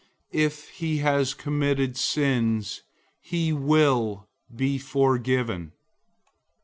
If he has committed sins, he will be forgiven.